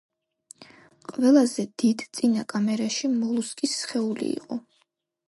ყველაზე დიდ, წინა კამერაში მოლუსკის სხეული იყო.